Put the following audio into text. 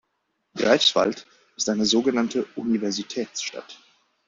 Greifswald ist eine so genannte Universitätsstadt.